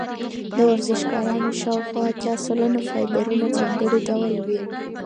د ورزشکارانو شاوخوا اتیا سلنه فایبرونه ځانګړي ډول وي.